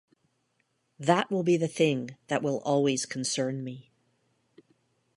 That will be the thing that will always concern me.